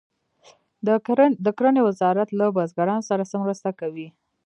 د کرنې وزارت له بزګرانو سره څه مرسته کوي؟